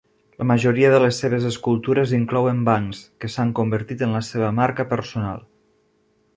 La majoria de les seves escultures inclouen bancs, que s'han convertit en la seva marca personal.